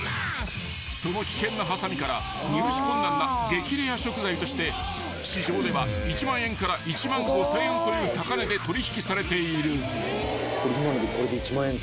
［その危険なはさみから入手困難な激レア食材として市場では１万円から１万５，０００円という高値で取引されている］